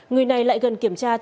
người này lại gần kiểm tra